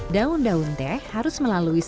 daun daun teh harus melalui